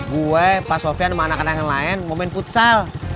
gue pak sofyan sama anak anak yang lain mau main futsal